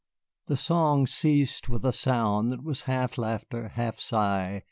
The song ceased with a sound that was half laughter, half sigh.